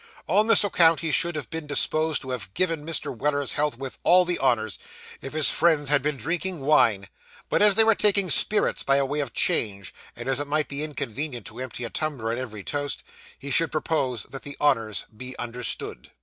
On this account, he should have been disposed to have given Mr. Weller's health with all the honours, if his friends had been drinking wine; but as they were taking spirits by way of a change, and as it might be inconvenient to empty a tumbler at every toast, he should propose that the honours be understood.